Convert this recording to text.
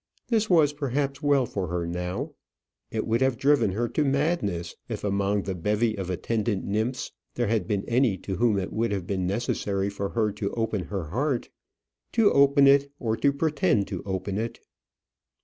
This was perhaps well for her now. It would have driven her to madness if among the bevy of attendant nymphs there had been any to whom it would have been necessary for her to open her heart to open it, or to pretend to open it.